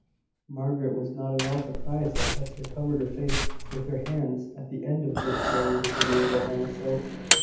Margaret was not at all surprised that Hester covered her face with her hands at the end of this very disagreeable anecdote.